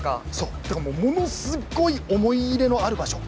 ものすごい思い入れのある場所。